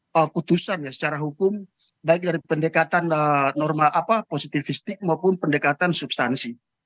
keputusan ya secara hukum baik dari pendekatan positifistik maupun pendekatan substansi